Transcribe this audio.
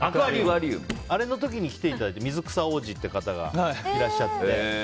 あれの時に来ていただいて水草王子って方がいらっしゃって。